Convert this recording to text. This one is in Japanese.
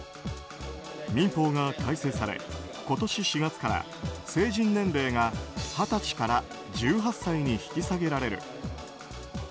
民法が改正され、今年４月から成人年齢が二十歳から１８歳に引き下げられる。